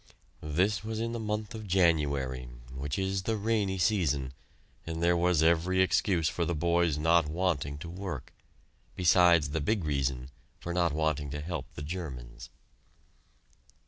This was in the month of January, which is the rainy season, and there was every excuse for the boys' not wanting to work besides the big reason for not wanting to help the Germans.